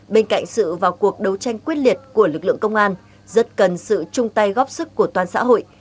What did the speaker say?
bên cạnh sự vào cuộc đấu tranh quyết liệt của lực lượng công an rất cần sự chung tay góp sức của toàn xã hội